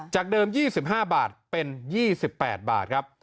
จากเดิม๒๕บาทเป็น๒๘บาทครับ